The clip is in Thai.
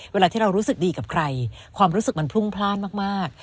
เวลาที่เรารู้สึกดีกับใครความรู้สึกมันพรุ่งพลาดมาก